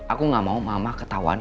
aku gak mau mama ketahuan